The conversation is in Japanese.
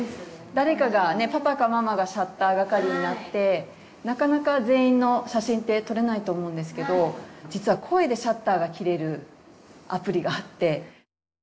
誰かがねパパかママがシャッター係になってなかなか全員の写真って撮れないと思うんですけど実は声でシャッターがきれるアプリがあって。